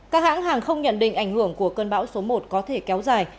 các hãng hàng không nhận định ảnh hưởng của cơn bão số một có thể kéo dài